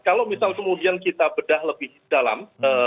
kalau misal kemudian kita bedah lebih dalam